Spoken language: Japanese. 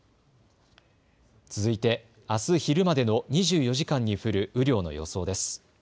続いてあす昼までの２４時間に降る雨量の予想です。